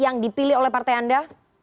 yang dipilih oleh partai anda